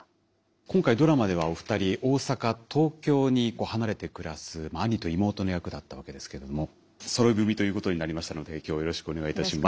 今回ドラマではお二人大阪東京に離れて暮らす兄と妹の役だったわけですけどもそろい踏みということになりましたので今日はよろしくお願いいたします。